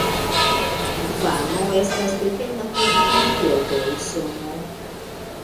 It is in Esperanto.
Gvamo estas dependa teritorio de Usono.